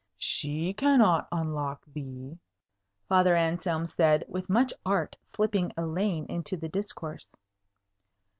"She cannot unlock thee," Father Anselm said, with much art slipping Elaine into the discourse.